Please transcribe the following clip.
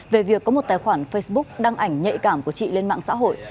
về việc có một tài khoản facebook đăng ảnh nhạy cảm của chị lên mạng xã hội